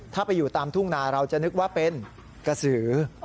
ถ้าไปอยู่ตามทุ่งนาเราจะนึกว่าเป็นกระสือ